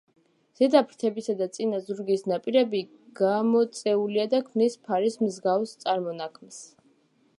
ზედა ფრთებისა და წინა ზურგის ნაპირები გამოწეულია და ქმნის ფარის მსგავს წარმონაქმნს.